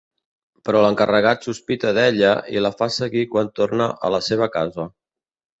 Però l'encarregat sospita d'ella i la fa seguir quan torna a la seva casa.